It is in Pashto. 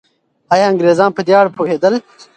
ایا انګریزان په دې اړه پوهېدل؟